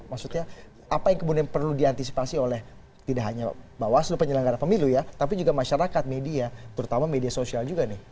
maksudnya apa yang kemudian perlu diantisipasi oleh tidak hanya bawaslu penyelenggara pemilu ya tapi juga masyarakat media terutama media sosial juga nih